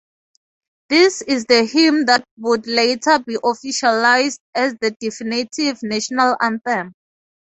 This is the hymn that would later be officialized as the definitive national anthem.